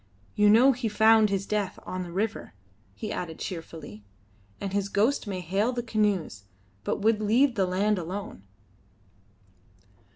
You know he found his death on the river," he added cheerfully, "and his ghost may hail the canoes, but would leave the land alone."